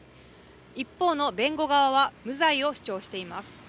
一方の弁護側は無罪を主張しています。